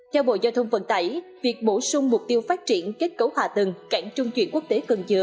theo bộ giao thông vận tải việc bổ sung mục tiêu phát triển kết cấu hạ tầng cảng trung chuyển quốc tế cần dựa